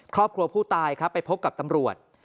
ครอบครัวผู้ตายครับไปพบกับตำรวจ